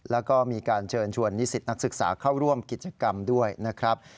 แล้วก็มีการเชิญชวนนิสิตนักศึกษาเข้าร่วมกิจกรรมด้วยนะครับ